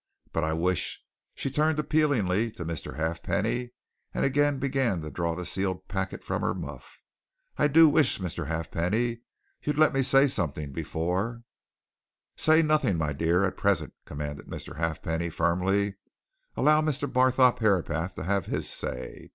But I wish" she turned appealingly to Mr. Halfpenny and again began to draw the sealed packet from her muff "I do wish, Mr. Halfpenny, you'd let me say something before " "Say nothing, my dear, at present," commanded Mr. Halfpenny, firmly. "Allow Mr. Barthorpe Herapath to have his say.